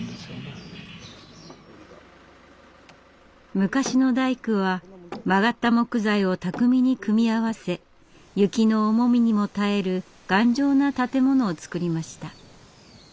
昔の大工は曲がった木材を巧みに組み合わせ雪の重みにも耐える頑丈な建物を作りました。